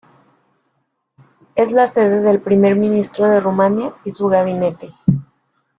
Es la sede del Primer Ministro de Rumania y su gabinete.